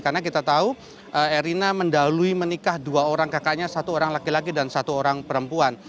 karena kita tahu erina mendalui menikah dua orang kakaknya satu orang laki laki dan satu orang perempuan